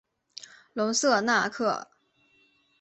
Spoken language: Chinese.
隆瑟纳克。